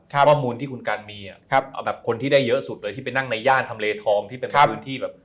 ข้อมูลที่คุณกันมีเอาแบบคนที่ได้เยอะสุดเลยที่ไปนั่งในย่านทำเลทองที่เป็นพื้นที่แบบ